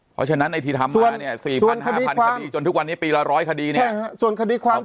เพราะฉะนั้นไอ้ที่ทำมาเนี่ย๔๐๐๕๐๐คดีจนทุกวันนี้ปีละ๑๐๐คดีเนี่ย